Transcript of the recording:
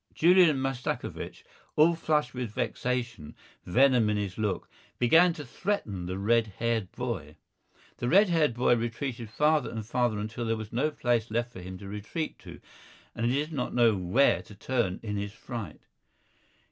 Julian Mastakovich, all flushed with vexation, venom in his look, began to threaten the red haired boy. The red haired boy retreated farther and farther until there was no place left for him to retreat to, and he did not know where to turn in his fright.